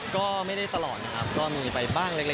ก็ไม่ได้ตลอดนะครับก็มีไปบ้างเล็ก